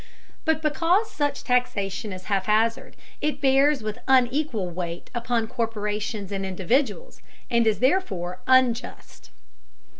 But because such taxation is haphazard, it bears with unequal weight upon corporations and individuals, and is therefore unjust.